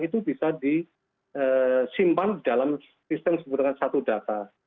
itu bisa disimpan dalam sistem sebut dengan satu data